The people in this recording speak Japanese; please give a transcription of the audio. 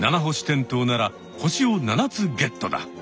テントウなら星を７つゲットだ！